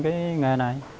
cái nghề này